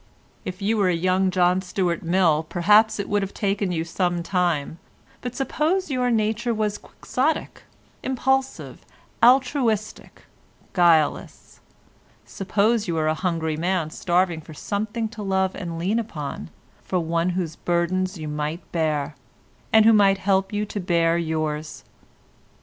If you were a young John Stuart Mill, perhaps it would have taken you some time, but suppose your nature was Quixotic, impulsive, altruistic, guileless; suppose you were a hungry man starving for something to love and lean upon, for one whose burdens you might bear, and who might help you to bear yours.